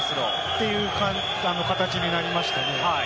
という形になりましたね。